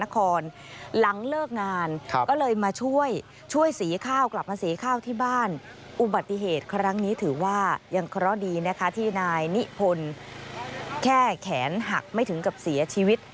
แขนหักไม่ถึงกับเสียชีวิต